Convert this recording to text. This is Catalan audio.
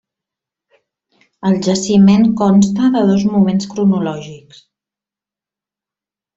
El jaciment consta de dos moments cronològics.